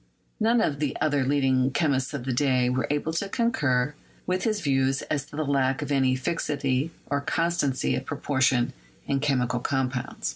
None of the other leading chemists of the day were able to concur with his views as to the lack of any fixity or constancy of proportions in chemical compounds.